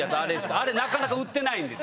あれなかなか売ってないんです。